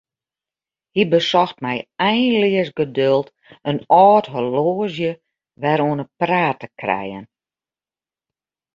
Hy besocht mei einleas geduld in âld horloazje wer oan 'e praat te krijen.